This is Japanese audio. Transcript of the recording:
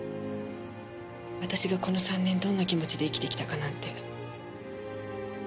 私がこの３年どんな気持ちで生きてきたかなんて。